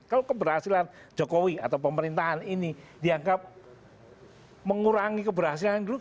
kalau keberhasilan jokowi atau pemerintahan ini dianggap mengurangi keberhasilan yang dulu